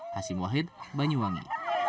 hasim wahid banyuwangi